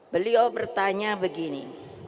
beliau bertanya begini